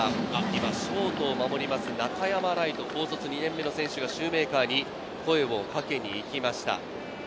今、ショートを守ります中山礼都、高卒２年目の選手がシューメーカーに声をかけに行きました。